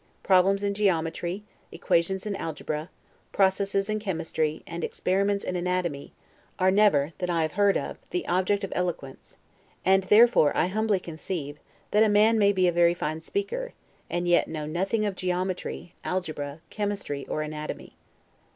Problems in geometry, equations in algebra, processes in chemistry, and experiments in anatomy, are never, that I have heard of, the object of eloquence; and therefore I humbly conceive, that a man may be a very fine speaker, and yet know nothing of geometry, algebra, chemistry, or anatomy.